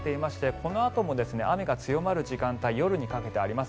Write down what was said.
このあとも雨が強まる時間帯夜にかけてあります。